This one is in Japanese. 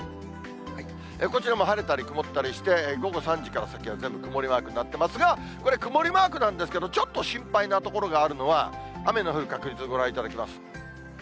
こちらも晴れたり曇ったりして、午後３時からさっきは全部曇りマークになっていますが、これ、曇りマークなんですけれども、ちょっと心配なところがあるのは、雨の降る確率ご覧いただきます。